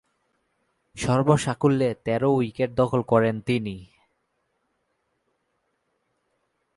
সর্বসাকুল্যে তেরো উইকেট দখল করেন তিনি।